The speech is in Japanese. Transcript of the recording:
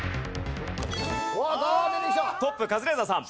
トップカズレーザーさん。